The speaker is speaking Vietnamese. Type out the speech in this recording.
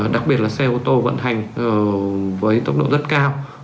đặc biệt là xe ô tô vận hành với tốc độ rất cao